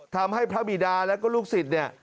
ทำให้พระบิดาแล้วก็ลูกศิษย์เนี่ย